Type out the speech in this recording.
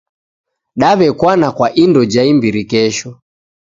Daw'ekwana kwa indo ja imbiri kesho.